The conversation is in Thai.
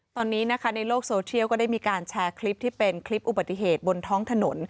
ตอนนี้ในโลกโซเชียลก็ได้มีการแชร์คลิปอุบัติเหตุบนท้องถนน